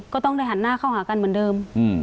ก็ต้องได้หันหน้าเข้าหากันเหมือนเดิม